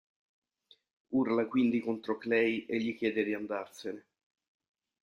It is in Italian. Urla quindi contro Clay e gli chiede di andarsene.